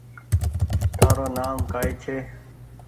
تآرو نآم ڪائي ڇي